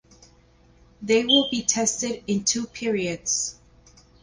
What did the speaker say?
They will be tested in two periods.